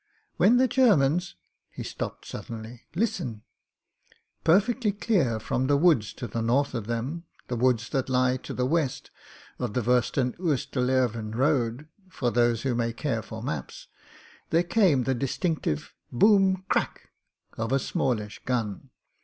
When the Germans " He stopped suddenly. "Listen !" Perfectly clear from the woods to the north of them — the woods that lie to the west of the Woesten Oostvleteren road, for those who may care for maps — there came the dis tinctive boom ! crack I of a smallish gtm.